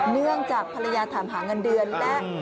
เนื่องจากภรรยาถามหาเงินเดือนและ